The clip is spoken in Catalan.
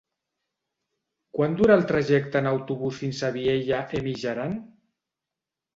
Quant dura el trajecte en autobús fins a Vielha e Mijaran?